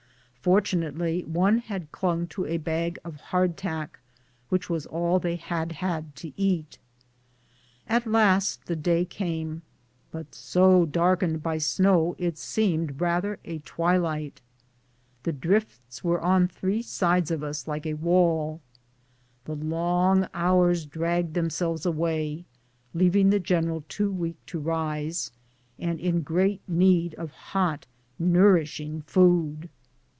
Fortunately one had clung to a bag of hard tack, which was all they A BLEZARD. 23 had had to eat. At last the day came, but so darkened by the snow it seemed rather a twilight. The drifts were on three sides of us like a wall. The long hours dragged themselves away, leaving the general too weak to rise, and in great need of hot, nourishing food.